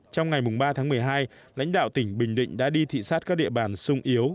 trong ngày ba tháng một mươi hai lãnh đạo tỉnh bình định đã đi thị xát các địa bàn sung yếu